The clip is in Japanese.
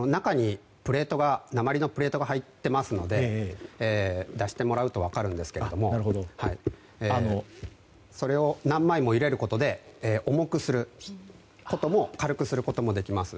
中に鉛のプレートが入ってますのでそれを何枚も入れることで重くすることも軽くすることもできます。